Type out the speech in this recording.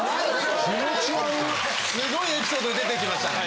・すごいエピソード出てきましたね